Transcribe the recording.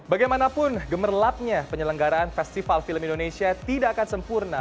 bagaimanapun gemerlapnya penyelenggaraan festival film indonesia tidak akan sempurna